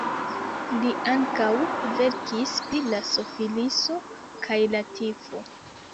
Li ankaŭ verkis pri la sifiliso kaj la tifo.